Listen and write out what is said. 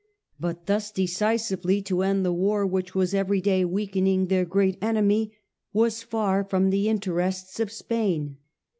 But thus decisively to end a war which was every day weakening their great enemy was far from the interests of Spain.